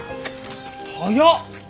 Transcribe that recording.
早っ！